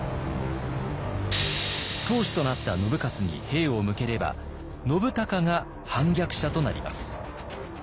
当主となった信雄に兵を向ければ信孝が反逆者となります。